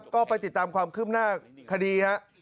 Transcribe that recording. ก็ไปติดตามความขึ้มหน้าคดี